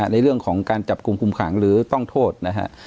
ในเรื่องของการจับกลุ่มคุมขังหรือต้องโทษนะฮะ